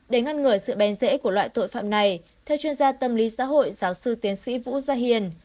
để ngăn ngừa sự bén dễ của loại tội phạm này theo chuyên gia tâm lý xã hội giáo sư tiến sĩ vũ gia hiền